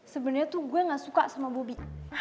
sebenarnya tuh gue gak suka sama bobi